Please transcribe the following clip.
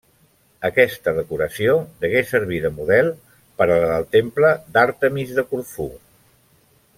Aquesta decoració degué servir de model per a la del temple d'Àrtemis de Corfú.